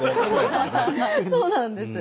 そうなんです。